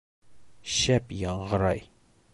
Шәп яңғырай.